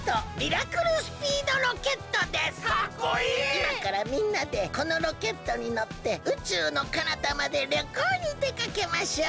いまからみんなでこのロケットにのって宇宙のかなたまでりょこうにでかけましょう！